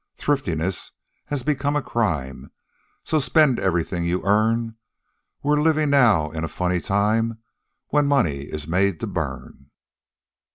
Thriftiness has become a crime, So spend everything you earn; We're living now in a funny time, When money is made to burn."